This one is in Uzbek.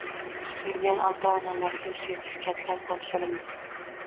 Tutingan ota-onalarga sertifikatlar topshirildi